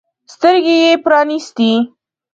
سترګې يې پرانیستې.